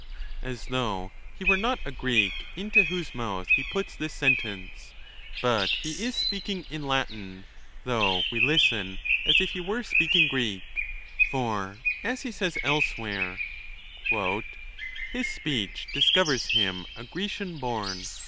As tliongh he were not a Greek into whose mouth he puts this sentence; but he is speaking in Latin, though we lis ten as if he were speaking Greek ; for, as he says elsewhere, His speech discovers liim a Grecian boi n.